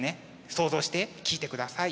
想像して聴いてください。